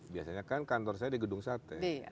biasanya kan kantor saya di gedung sate